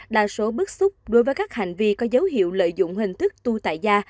đa số bức xúc đối với các hành vi có dấu hiệu lợi dụng hình thức tu tại da